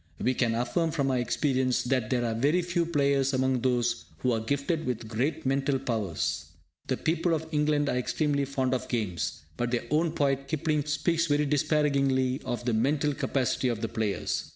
We can affirm from our experience that there are very few players among those who are gifted with great mental powers. The people of England are extremely fond of games, but their own poet, Kipling, speaks very disparagingly of the mental capacity of the players.